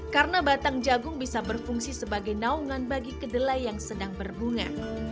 karena batang jagung bisa berfungsi sebagai naungan bagi kedelai yang sedang berbunga